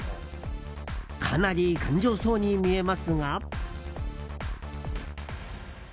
かなり頑丈そうに見えますが。